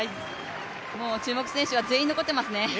注目選手は全員残っていますね。